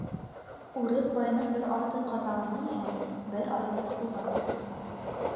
Урыҫ байының бер аты ҡазаланы иһә, бер айлыҡ һуғым.